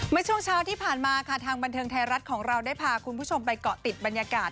เมื่อช่วงเช้าที่ผ่านมาค่ะทางบันเทิงไทยรัฐของเราได้พาคุณผู้ชมไปเกาะติดบรรยากาศ